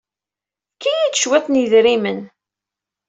Ffek-iyi-d cwiṭ n yedrimen.